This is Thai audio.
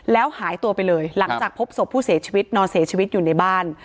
แล้วหายตัวไปเลยหลังจากพบศพผู้เสียชีวิตนอนเสียชีวิตอยู่ในบ้าน